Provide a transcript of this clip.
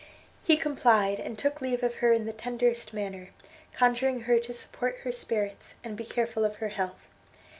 He complied, and took leave of her in the tenderest manner, conjuring her to support her spirits, and be careful of her health.